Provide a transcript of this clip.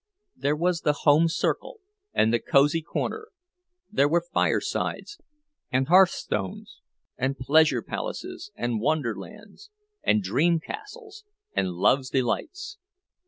There was the "Home Circle" and the "Cosey Corner"; there were "Firesides" and "Hearthstones" and "Pleasure Palaces" and "Wonderlands" and "Dream Castles" and "Love's Delights."